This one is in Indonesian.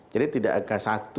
jadi tidak angka satu